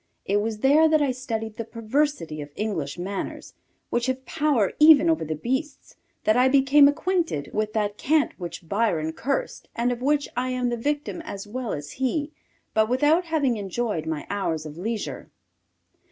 It was there that I studied the perversity of English manners, which have power even over the beasts, that I became acquainted with that cant which Byron cursed and of which I am the victim as well as he, but without having enjoyed my hours of leisure.